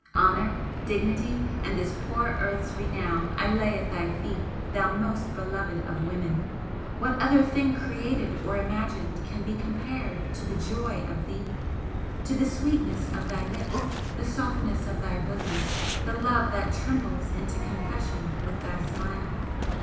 Honour, dignity and this poor earth's renown I lay at thy feet, thou most beloved of women! What other thing created or imagined can be compared to the joy of thee? to the sweetness of thy lips, the softness of thy bosom the love that trembles into confession with thy smile!